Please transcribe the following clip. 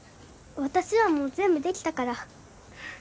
私はもう全部できたから。